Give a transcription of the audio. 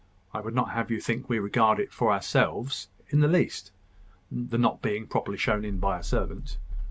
I would not have you think we regard it for ourselves in the least the not being properly shown in by a servant."